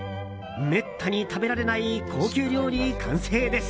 めったに食べられない高級料理、完成です。